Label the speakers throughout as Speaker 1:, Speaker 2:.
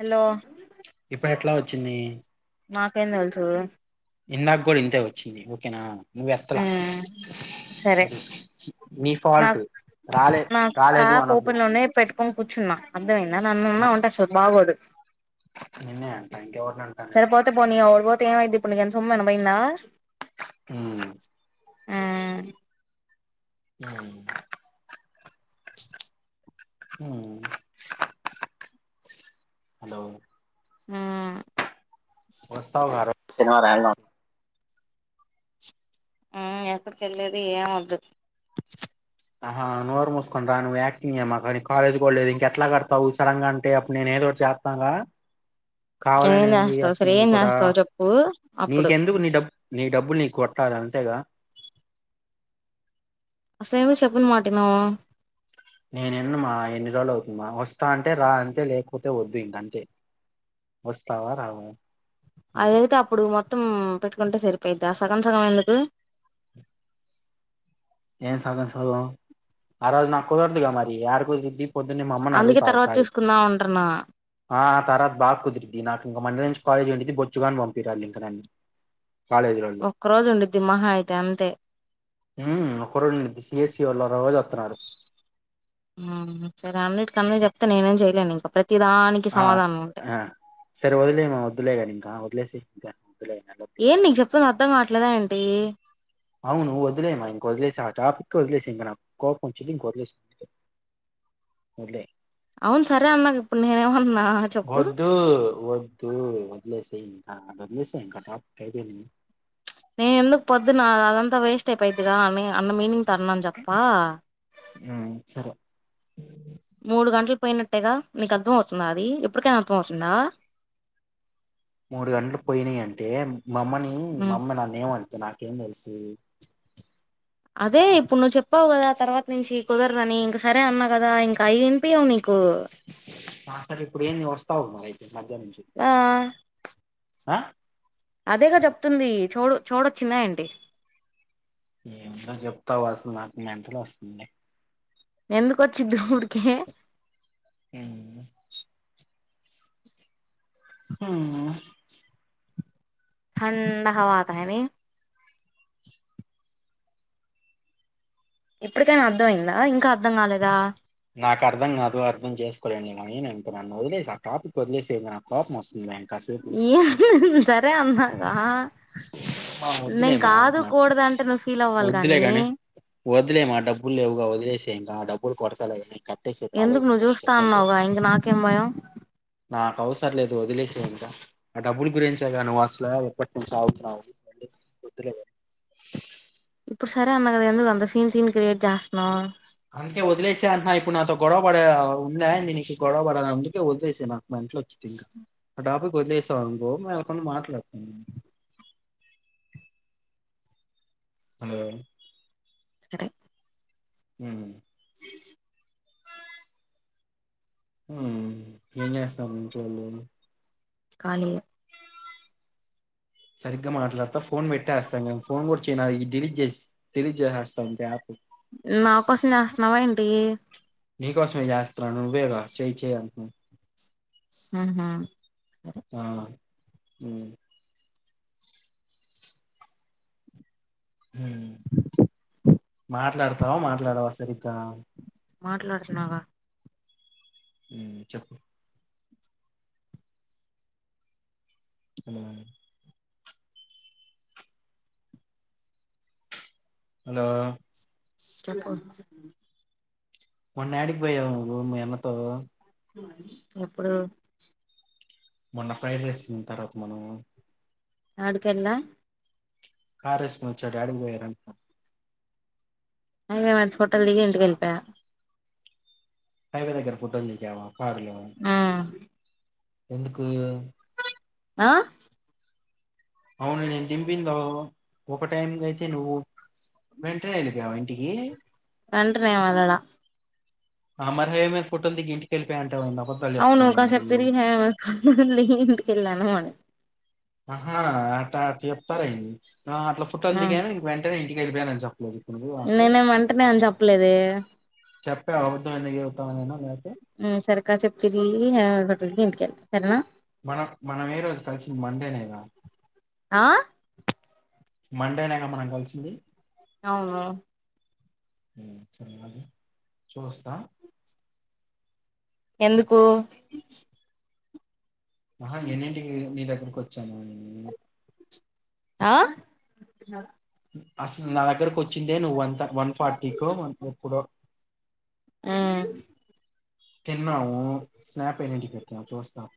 Speaker 1: Hello
Speaker 2: ఇప్పుడు ఎట్లా వచ్చింది
Speaker 1: మాకేం తెలుసు
Speaker 2: ఇందాక కూడా ఇంతే వచ్చింది ఓకేనా నువ్వు ఎత్తలా
Speaker 1: ఉమ్ సరే
Speaker 2: అది నీ ఫాల్ట్
Speaker 1: నాకు
Speaker 2: రాలే రాలేదు అన్నద్దు
Speaker 1: పట్టుకొని కూర్చున్న అన్ అర్థమైందా నన్నేమన అంటే బాగోదు
Speaker 2: నిన్నే అంట ఇంకేవరిని అంటానే
Speaker 1: అంటే ఏవైదిప్పుడు నీకు సొమ్ము ఏమైనా పోయిందా
Speaker 2: హ్మ్
Speaker 1: ఉమ్
Speaker 2: అ హ్మ్ హలో
Speaker 1: మ్మ్
Speaker 2: వస్తావ ర శనివారం ఆదివారం
Speaker 1: మ్మ్ ఎక్కడికి వెల్లేది ఏం వద్దు
Speaker 2: ఆహా నోరు మూసుకుని రా నువ్వు యాక్టింగ్ చెమక నీకు కాలేజ్ కూడా లేదు ఇంకా ఎట్లా కడతావు సడన్ గా అంటే అప్పుడు నేను ఏదో ఒక్కటి చేస్తాగా కావాలని
Speaker 1: ఏం చేస్తావు
Speaker 2: చేయేస్త
Speaker 1: సరే
Speaker 2: నువ్వు
Speaker 1: ఏం
Speaker 2: కూడా
Speaker 1: చేస్తావు చెప్పు అప్పుడు
Speaker 2: నీకెందుకు నీ డబ్బు నీ కొట్టాలి అంతేగా
Speaker 1: అసలు ఎందుకు చెప్పిన మాట వినవ్
Speaker 2: నేను విన్నను మా ఎన్ని రోజులు అవుతుంది మా వస్తా అంటే రా అంతే లేకపోతే వద్దు ఇంక అంతే వస్తావా రావా అంతే
Speaker 1: అదైతే అప్పుడు మొత్తం పెట్టుకుంటే సరిపోయింది ఎ సగం సగం ఎందుకు
Speaker 2: ఏం సగం సగం అ రోజు నాకూ కుదరదుగా మరి యదా కుదిరీద్ది పొద్దున్నే మ అమ్మని
Speaker 1: అందుకే
Speaker 2: అడుగుతా
Speaker 1: తర్వాత
Speaker 2: ఒకసారి
Speaker 1: చూసుకుందాం అంటున్నా
Speaker 2: ఆ ఆ తర్వాత బాగా కుదిరీద్ది నాకు ఇంక మండే నుంచి కాలేజ్ ఉండిది బొచ్చుగాని పంపిరు వాళ్ళు ఇంక నన్ను కాలేజీలోళ్ళు
Speaker 1: ఒక్కరోజు ఉండిద్ది మహా అయితే అంతే
Speaker 2: ఉమ్ ఒకరోజు ఉండిద్ది సిఎస్సి వాళ్ళు రోజు వత్తన్నారు
Speaker 1: మ్మ్ సరే అన్నిటికీ అన్ని చెప్తే నేను ఏం చేయలేను క ప్రథీ
Speaker 2: ఆ ఆ సరే వదిలేయి మా వద్దులేగానీ ఇంకా వదిలేసేయి
Speaker 1: ఏం నీకు చెప్తుంది అర్థం కావట్లేదా ఏంటి ఏంటి
Speaker 2: అవును వదిలేమ్మా ఇంకా వదిలేసేయి ఆ టపిక్ ఏ వదిలేసేయి ఇంకా నాకు కోపం వచ్చిది ఇంకా వదిలేసేయి వదిలే
Speaker 1: అవును సరే అన్నగా ఇప్పుడు నేను ఏం అన్న
Speaker 2: వద్దు వద్ వద్దు వదిలేసేయి ఇంకా అది వదిలేసేయి ఇంకా ఆ టాపిక్ అయిపోయిందిగా
Speaker 1: నేను ఎందుకు పొద్దునా అదంతా వేస్ట్ స్టేప్ అయిపోయిదిగా అని అన్న మీనింగ్తో అన్నాను తప్ప
Speaker 2: ఉమ్ సరే
Speaker 1: మూడు గంటలు పోయినట్టేగా నీకు అర్థం అవుతుందా అది ఇప్పటికైనా అర్థం అవుతుందా
Speaker 2: మూడు గంటలు పోయినాయి అంటే మ అమ్మని మా
Speaker 1: మ్మ్
Speaker 2: అమ్మ నాను ఏం అడి నాకేం తెలుసు
Speaker 1: అదే ఇప్పుడు నువ్వు చెప్పావు కదా తర్వాత నుంచి కుదరదు అని ఇంక సరే అన్నా కదా ఇంకా అయి వినిపియావు నీకు
Speaker 2: ఆ సరే ఇప్పుడు ఏంది వస్తావుగా మరి మధ్యాహ్నం నుంచి
Speaker 1: ఆ
Speaker 2: ఆ
Speaker 1: అదేగా చెప్తుంది చెవుడు చెవుడు వచ్చిందా ఏంటి
Speaker 2: ఏంటో చెప్తావు అసలు నాకు మెంటల్ వస్తుందిలే
Speaker 1: ఎందుకు వచ్చిదు ఊర్
Speaker 2: ఉమ్ ఉ
Speaker 1: ఠండ హవాత ఎని ఇప్పటికైనా అర్ధం అయ్యిందా ఇంకా అర్ధం కాలేదా
Speaker 2: నాకు అర్థం కాదు అర్థం చేసుకోలేండివ ఇ నన్ను వదిలేసి ఆ టాపిక్ వదిలేస నాక్ కోపం వస్తుంది ఇంక కాసేపు
Speaker 1: ఈ హ్ హ్ సరే అన్న రాా
Speaker 2: వద్దులే మా
Speaker 1: కూడదు అంటే నువ్వు ఫీల్ అవ్వాలి
Speaker 2: వద్దు లే
Speaker 1: గాని
Speaker 2: కాని వదిలేమా డబ్బులువుగా వదిలేసే ఇంకా డబ్బులు [unintelligible]
Speaker 1: ఎందుకు
Speaker 2: కాలేజీ
Speaker 1: నువ్వు
Speaker 2: ఫస్ట్
Speaker 1: చూస్తా
Speaker 2: అర్జెంటుగా
Speaker 1: అన్నావుగా ఇంక నాకేం భయం
Speaker 2: వదిలేసేయి ఇంకా ఆ డబ్బులు గురించేగా నువ్ అస్లా గుతున్నాతు వద్దులే ఇగ
Speaker 1: ఇప్పుడు సరే అన్నా గద ఎందుక్ అంత సీ సీన్ క్రియేట్ చేస్తున్నావు
Speaker 2: అందుకే వదిలే సేయి అంటన ఇప్పుడు నాతో గొడవ గొడ ఉందిాీ నీకు గొడవపడని అందుకే వదిలేసేయి నాకు మెంటల్ వచ్చింది ఇంకా ఆ టాపిక్ వదిలేసాం అనుకో మే దల్ కొని మాట్లాడుతాను హలో
Speaker 1: సరె
Speaker 2: హుమ్
Speaker 1: [inaudible]
Speaker 2: ఉమ్ ఏం చేస్తాం ఇంట్లోల్లు
Speaker 1: కాని
Speaker 2: సరిగ్గ మాట్లాడ్తా ఫోన్ పెట్టేస్తా నేన ఫోన్ కూడ చేయన్ డిలీట్ చేస్ డిలీట్ చేసేస్తా యాప్
Speaker 1: నా కోసం చేస్తునావ ఏంటి
Speaker 2: నీ కోసమె చేస్తన నువ్వే గా చెయి చెయి అంది
Speaker 1: ఊహు
Speaker 2: ఆ ఉమ్ హ మాట్లాడతావ మాట్లాడవా సరిగ్గా
Speaker 1: మాట్లాడుతున్నావ
Speaker 2: ఉమ్ చెప్ హెలో హలో
Speaker 1: టెలికాలింగ్స్
Speaker 2: మొన్నయాడికి పోయావ్ నువ్ మీ అన్నతో
Speaker 1: ఎప్పుడు
Speaker 2: మొన్న ఫ్రైడ్ రైస్ తిన్న తర్వాత మనము
Speaker 1: అడుకెల్లా
Speaker 2: కారేస్ వచ్చినట యాడ్ పోయిరా
Speaker 1: అగ మరి చోటలు దిగి ఇంటికెళ్ళిపోయా
Speaker 2: హైవేగ ఫుటోంది పర్లో
Speaker 1: ఉమ్
Speaker 2: ఎందుకు
Speaker 1: ఆ
Speaker 2: అవున నే న్ దింపిందో ఒక టైమ్ తెచ్చిండు నువ్వు వెంటనే వెళపోవా ఇంటికి
Speaker 1: వెంటనే ఏం వెళ్ళల
Speaker 2: అ మరి ఏమె ఫోటోల్ దిగి ఇంటికి వెళ్లిపోయావంట
Speaker 1: అవును కాసేపు తిరిగినా హళనా ఇంటిక్లెనాను అని
Speaker 2: హా ఆట చెప్తారుయింది అట్లా ఫొటోలు దిగాను ఇంక వెంటనే ఇక వెళ్లిపోయానని జెప్పలేదు
Speaker 1: నేనేమి వెంటనే అని చెప్పలేదే
Speaker 2: చెప్పే అబద్ధంమన్నీవుతానుమేనా న
Speaker 1: సర్కా చెప్తిరి [unintelligible] ఇంటికెల్లా
Speaker 2: మనం మనం ఏ రోజు కలిసింది మండేనే గా
Speaker 1: ఆ
Speaker 2: మండేనేగా మనం కలిసింది
Speaker 1: అవును
Speaker 2: సరే అ చూస్తా
Speaker 1: ఎందుకు
Speaker 2: మహా ఎన్నింటికి నీ దగ్గరకు వచ్చాను
Speaker 1: ఆ
Speaker 2: అస్ నా దగ్గరకు వచ్చిందే నువ్వు వన్ త వన్ ఫార్టీ కో ఎప్పుడో తిన్నాము స్నాప్ ఎన్నింటికి పెట్టినావ్ చూస్త [inaudible]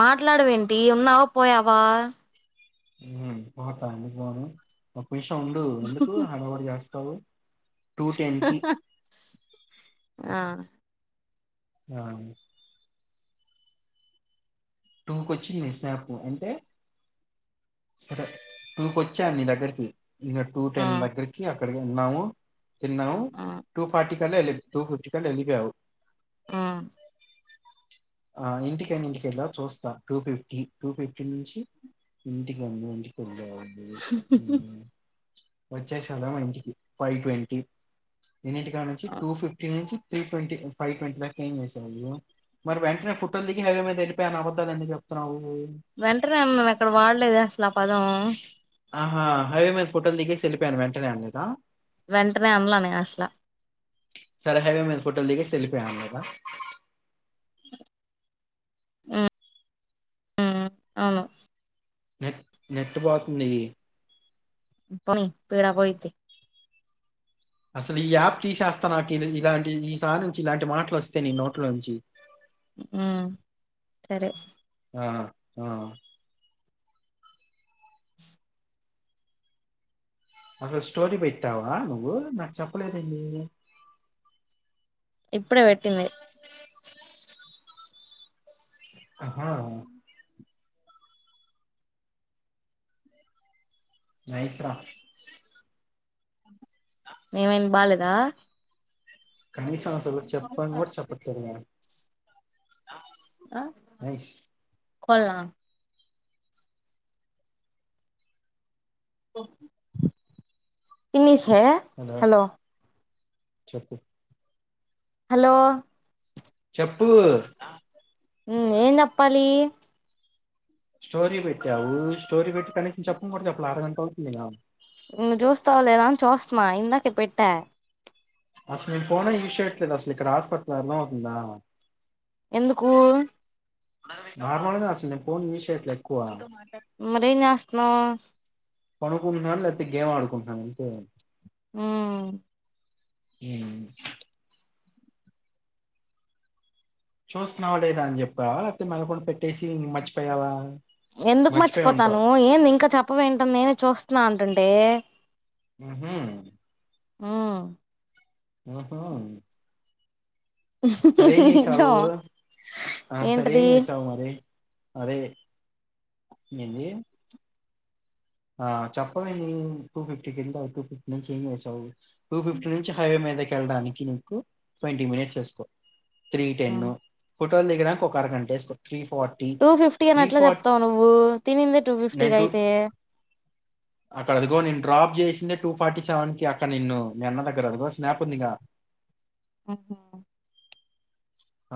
Speaker 1: మాట్లాడవేంటి ఉన్నావా పోయావా
Speaker 2: హ్మ్ పోత ఎందుకు పోను ఒక నిమిషము ఉండు ఎందుకు హడావుడి చేస్త త్వ [unintelligible] టూ టెన్ కి
Speaker 1: ఆ
Speaker 2: ఆ టూకి వచ్చింది నీ స్నాప్ అంటే సరే టూ కోచ్చా నీ దగ్గరికి ఇక టూ టెన్ దగ్గరికి [inaudible] క్కడికి ఉన్నావు తిన్నాము టూ ఫార్టీ కలి ఏలే టూ ఫిఫ్ట్టి కల్లా ఎల్లిపోయవు
Speaker 1: హ్మ్
Speaker 2: ఆ ఇంటికి ఎన్నింటికి ఎల్లావ్ చూస్తా టూ ఫిఫ్టీ టూ ఫిఫ్టీ నుంచి ఇంటికి ఎన్నింటికి వెళ్లా వచ్చేసం గా ఇంటికి ఫైవ్ ట్వంటీ ఎన్నిటికానుంచి టూ ఫిఫ్టీ నుంచి three twenty five twenty five ఏం చేసేవ్ నువ్వు మరి వెంటనే ఫుట్టొల్ దిగి హైవే మీద వెళిపోయ అని అబద్ధాలు ఎందుకు చెప్తున్నావు.
Speaker 1: వెంటనేఅన్నాను అక్కడ వాడలేదే లా పదం
Speaker 2: ఆహా హైవే మీద ఫోటోలు దిగేసి వెళ్ళిపోయాను వెంటనే అనలేదా
Speaker 1: వెంటనే అనల నేను అసల
Speaker 2: సరే హైవే మీద ఫోటోలు దిగేసీ వెళ్ళిపోయాను అనలేదా
Speaker 1: ఆ అవును
Speaker 2: నెట్ నెట్ పోతుంది
Speaker 1: పోనీ పీడా పోయిద్ది.
Speaker 2: అసలు ఈ యాప్ తీసేస్తా నాకు ఇలాంటి ఈ సారి నుంచి ఇలాంటి మాటలు వస్తా నీ నోట్ల నుంచి
Speaker 1: ఉం సరే
Speaker 2: ఆ ఆ అసలు స్టోరీ పెట్టావా నువ్వు నాకు చెప్పలేదు ఏంది
Speaker 1: ఇప్పుడే పెట్టింది
Speaker 2: అ అహా నైస్ రా
Speaker 1: ఏమైంది బాలేదా
Speaker 2: కనీసం అసలు చెప్పన్ కూడా చెప్పట్లేదు నువ్ అయిష్
Speaker 1: కొళ్ళ పిన్నీస్ హలో
Speaker 2: చెప్పి
Speaker 1: హలో
Speaker 2: చెప్పూ
Speaker 1: ఉమ్మ్ ఏం చెప్పాలి.
Speaker 2: స్టోరీ పెట్టావు స్టోరీ పెట్టి కనీసం చెప్పనుకూడ చెప్పలా అర గంట అవుతుంది ఇక
Speaker 1: ఇంక జూస్తవలేద అని చూస్తనా ఇందాకే పెట్టా
Speaker 2: అసలు నేను ఫోనే చూసేట్లేదు అసలు ఇక్కడ హాస్పిటల్లో అర్థం అవుతుందా.
Speaker 1: ఎందుకూ
Speaker 2: నార్మల్ గా అస్సల్ నేను పోన్ యూస్ చేయట్లేదు ఎక్కువ
Speaker 1: మరేంచేస్తున్నావ్
Speaker 2: పనుకుంటున్నాను లేకపోతే గేమ్ ఆడుకుంటున్నాను అంతే
Speaker 1: ఉమ్మ్
Speaker 2: అ చూస్తన్నావా లేదా అని చెప్పావా లేకపోతే మెదల కుండ పెట్టేసీ మర్చిపోయావా.
Speaker 1: ఎందుకు
Speaker 2: మర్చిపోయి ఉంటావు
Speaker 1: మర్చిపోతాను ఏం ఇంకా చెప్పవేంట నేనే చూస్తా ఇచ్చినానంటంటే
Speaker 2: మ్మ్ హా
Speaker 1: మ్మ్
Speaker 2: హ్మ్ హ్ సరే ఏంచేసావు
Speaker 1: నిజం
Speaker 2: ఆ సరేం
Speaker 1: ఏంటిది
Speaker 2: ఏంచేసావు మరి అదే ఏంది ఆ చెప్పవేంది టూ ఫిఫ్టీకి ఎళ్ళావు టూ ఫిఫ్టీ నుంచి ఏం చేసావు టూ ఫిఫ్టీ నుంచి హైవే మీదకి వెళ్ళడానికి నీకు ట్వంటీ మినిట్స్ యేసుకో త్రీ టెన్న ఫోటోల్దిగడానికి ఒక అరగంటేసుకో త్రీ ఫార్టీ
Speaker 1: టూ ఫిఫ్టీ అని
Speaker 2: త్రీ
Speaker 1: ఎట్ల
Speaker 2: ఫార్టీ
Speaker 1: చెప్తావు నువ్వు తినిందే టూ
Speaker 2: నేను
Speaker 1: ఫిఫ్టీకి
Speaker 2: టూ
Speaker 1: అయితే
Speaker 2: అక్కడ అదిగో నేను డ్రాప్ చేసిందే టూ ఫార్టీ సెవెన్ కి అక్కడ నిన్ను మీ అన్న దగ్గర అదిగో స్నాప్ ఉందిగా
Speaker 1: ఆహ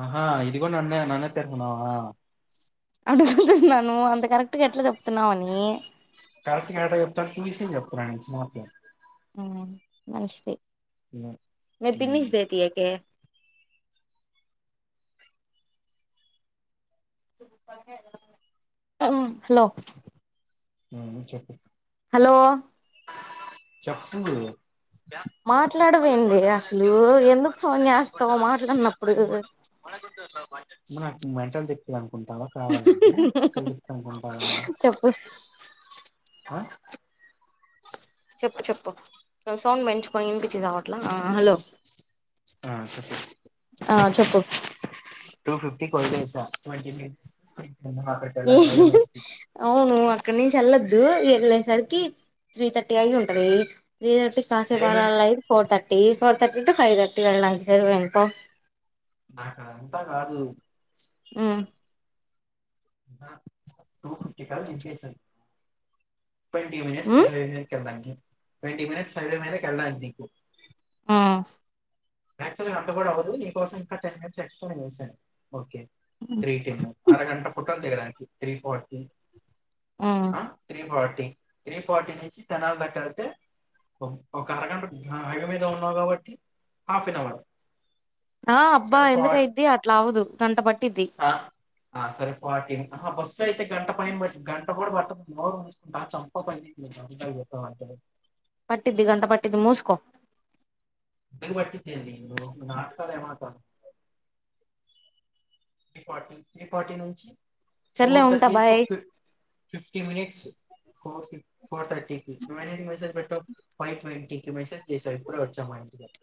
Speaker 2: ఆహా ఇది గూడా నన్నే నన్నే [unintelligible] న్నావా
Speaker 1: అడుగుతున్నాను అంత కరెక్ట్ గా ఎట్ల చెప్తున్నావని
Speaker 2: కరక్ట్ గా ఎట్ల చెప్త చూసి చెప్తున్న స్మార్ట్ లో
Speaker 1: మ్మ్ మంచిది మే
Speaker 2: ఉమ్,
Speaker 1: బిన్నీస్ దేకి ఏ కే హలో
Speaker 2: హ్మ్ చెప్పు
Speaker 1: హలో
Speaker 2: చప్పు నువ్వు
Speaker 1: మాట్లాడవేంది అసలు ఎందుకు ఫోన్ చేస్తావు మాట్లాడినప్పుడు
Speaker 2: నాకు మెంటల్ తె [unintelligible] కుంటలో కావాలండి కల్దిపిస్తాం కొంట
Speaker 1: చెప్పు
Speaker 2: ఆ
Speaker 1: చెప్పు చెప్పు సౌండ్ పెంచుకొని ఇనిపించిసావట్ల ఆ హలో
Speaker 2: ఆ చెప్పు
Speaker 1: ఆ చెప్పు
Speaker 2: టూ ఫిఫ్టీ [unintelligible]
Speaker 1: ఏ అవును అక్కడి నుంచి ఎల్లోద్దా లో ఎళ్ళేసరికి త్రీ థర్టీ అయి ఉంటది [inaudible] [unintelligible]
Speaker 2: నాక్ అదంతా కాదు
Speaker 1: ఉమ్
Speaker 2: హ్మ్ హా టూ ఫిప్టీ కాడ దింపేసాన్ ట్వంటీ మినిట్స్
Speaker 1: ఉమ్
Speaker 2: బ్రేక్ కదండి ట్వంటీ మినిట్స్ హైవే మీద కెల్లాలి మీకు
Speaker 1: ఆ
Speaker 2: యాక్చువల్ గా అంత కూడా అవదు నీకోసం ఇంకా టెన్ మినిట్స్ ఎక్స్ట్రా నే జేసాను ఓకే త్రీ టెన్ను అరగంట ఫుట్‌ దగనికి త్రీ ఫర్టీ
Speaker 1: ఉమ్
Speaker 2: ఆ త్రి ఫట్ త్రీ ఫార్టీ నుంచి తెనాల దకి వెళ్తే ఒక అరగంట హగ మీద ఉన్నావు కాబట్టి హాఫ్ అన్ అవర్
Speaker 1: ఆ అబ్బా
Speaker 2: సరే ఫార్ట్
Speaker 1: ఎందుకయిద్ది అట్లా అవదు గంట పట్టిద్ది
Speaker 2: ఆ, ఆ సరే ఫార్టీన్ బస్సు అయితే గంట పైన గంట కూడా పడుతు నోరం తీసుకుంటా చం పనితాంట
Speaker 1: పట్టిద్ది గంట పట్టద్ది ముూస్కో
Speaker 2: ఇ పట్టితే నాటకాల ఏ మాత్ర త్రి ఫటీ త్రీ ఫార్టీ నుంచి
Speaker 1: చల్లే
Speaker 2: ఫోర్
Speaker 1: ఉంటా
Speaker 2: థర్టీ వేసుకో
Speaker 1: బాయ్
Speaker 2: ఫిఫ్టీ మినిట్స్ ఫ ఫఫ ఫోర్థర్టీకి మ మెసజ్ పెట్టా ఫైవ్ ట్వంటీ కి మెసేజ్ చేసా ఇప్పుడే వచ్చా మా ఇంటికిారు